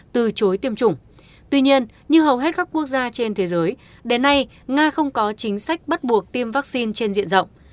tuy nhiên như hầu hết các quốc gia trên thế giới đến nay nga không có chính sách bắt buộc tiêm vaccine trên diện rộng